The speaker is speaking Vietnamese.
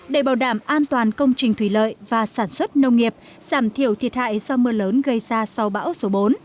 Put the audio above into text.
để bảo đảm an toàn công trình thủy lợi và sản xuất nông nghiệp giảm thiểu thiệt hại do mưa lớn gây ra sau bão số bốn